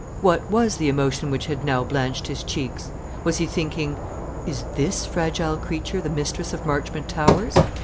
What was the emotion which had now blanched his cheeks? Was he thinking, "Is this fragile creature the mistress of Marchmont Towers?